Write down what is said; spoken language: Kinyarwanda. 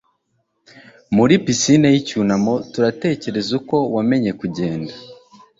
muri pisine yicyunamo turatekereza, uko wemeye kugenda